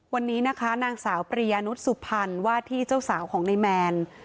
วันนี้นะคะนางสาวปริยานุษย์สุพรรณว่าที่เจ้าสาวของนายแมน